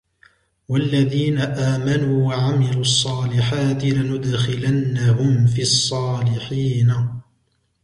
والذين آمنوا وعملوا الصالحات لندخلنهم في الصالحين